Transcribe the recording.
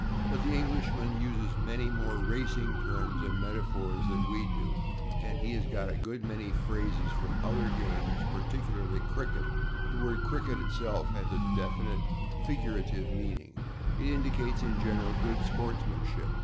But the Englishman uses many more racing terms and metaphors than we do, and he has got a good many phrases from other games, particularly cricket. The word /cricket/ itself has a definite figurative meaning. It indicates, in general, good sportsmanship.